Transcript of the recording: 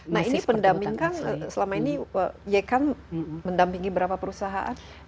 nah ini pendampingkan selama ini ykm mendampingi berapa perusahaan